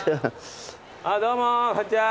どうもこんにちは。